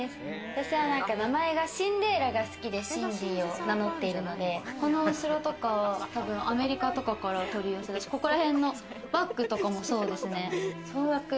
私は名前はシンデレラが好きでシンディを名乗っているので、このお城とか、アメリカとかから取り寄せて、ここらへんのバッグとかも、そうですね。